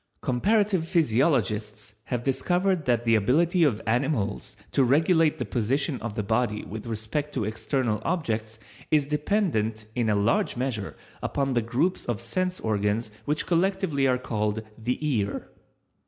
Comparative physiologists have discovered that the ability of animals to regulate the position of the body with respect to external objects is dependent in a large measure upon the groups of sense organs which collectively are called the ear.